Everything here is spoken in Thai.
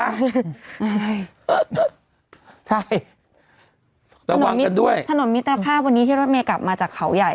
ใช่ระวังกันด้วยถนนมิตรภาพวันนี้ที่รถเมย์กลับมาจากเขาใหญ่